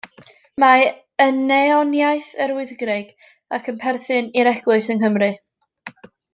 Mae yn neoniaeth Yr Wyddgrug, ac yn perthyn i'r Eglwys yng Nghymru.